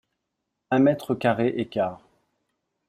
Un mètre carré et quart.